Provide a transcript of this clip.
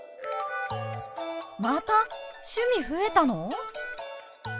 また趣味増えたの！？